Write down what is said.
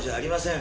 ん？